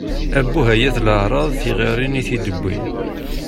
Abbuh, ay at leεṛaḍ! Tiɣiṛin i tid-wwin!